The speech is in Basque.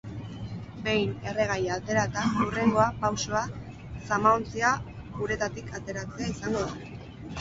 Behin erregaia aterata, hurrengoa pausoa zamaontzia uretatik ateratzea izango da.